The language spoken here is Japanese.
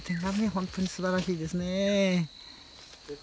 本当に素晴らしいですね。